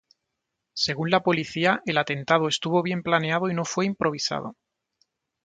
Según la policía, el atentado estuvo bien planeado y no fue improvisado.